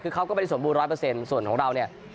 คือเขาก็ไม่ได้สมบูรณ์ร้อยเปอร์เซ็นต์ส่วนของเราเนี้ย